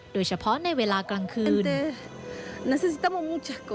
โดยเฉพาะในเวลากลางคืน